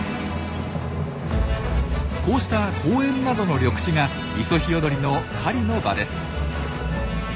こうした公園などの緑地がイソヒヨドリの狩りの場です。